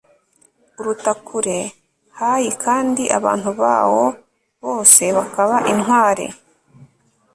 uruta kure hayi kandi abantu bawo bose bakaba intwari